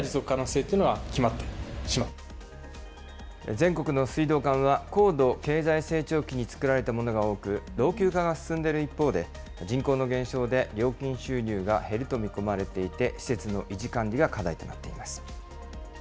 全国の水道管は、高度経済成長期に作られたものが多く、老朽化が進んでいる一方で、人口の減少で料金収入が減ると見込まれていて、施設の維持管理が課題となっています。